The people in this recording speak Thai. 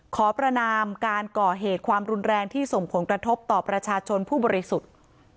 ขอประนามการก่อเหตุความรุนแรงที่ส่งผลกระทบต่อประชาชนผู้บริสุทธิ์